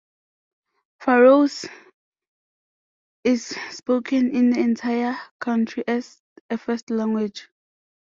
Faroese is spoken in the entire country as a first language.